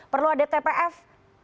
perlu ada tpf